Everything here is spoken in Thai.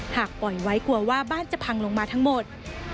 หากปล่อยไว้กลัวว่าบ้านจะพังลงมาทั้งหมด